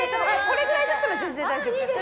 これぐらいだったら全然。